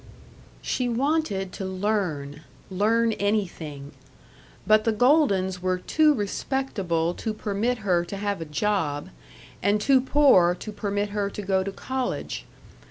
She wanted to learn, learn anything. But the Goldens were too respectable to permit her to have a job, and too poor to permit her to go to college.